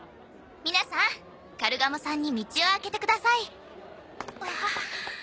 皆さんカルガモさんに道を空けてください。